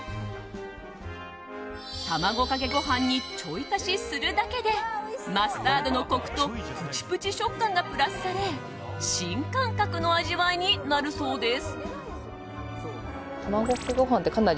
卵かけご飯にちょい足しするだけでマスタードのコクとプチプチ食感がプラスされ新感覚の味わいになるそうです。